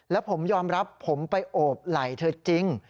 แล้วผมยอมรับผมไปโอบไหล่เธอจริง